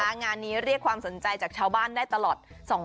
งานนี้เรียกความสนใจจากชาวบ้านได้ตลอด